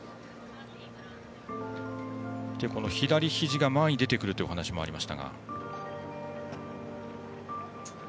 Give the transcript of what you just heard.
左ひじが前に出てくるというお話もありました。